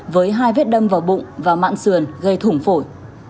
với hai vết đâm vào bụng và mạng sườn gây thủng phổi